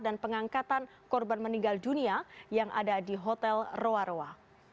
dan pengangkatan korban meninggal dunia yang ada di hotel roa roa